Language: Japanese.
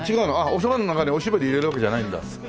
おそばの中におしぼり入れるわけじゃないんだ？